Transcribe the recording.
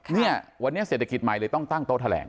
เนี่ยวันนี้เศรษฐกิจใหม่เลยต้องตั้งโต๊ะแถลง